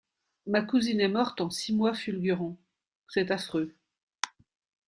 Ma cousine est morte en six mois fulgurants, c'est affreux.